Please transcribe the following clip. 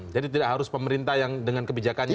jadi tidak harus pemerintah yang dengan kebijakannya